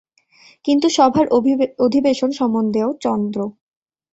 কিন্তু সভার অধিবেশন সম্বন্ধেও– চন্দ্র।